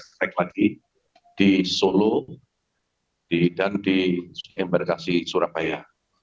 track lagi di solo dan di embarkasi surabaya